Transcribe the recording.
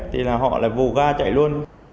thì họ lại vô ga chạy luôn